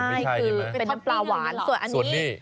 ใช่คือเป็นน้ำปลาหวานส่วนอันนี้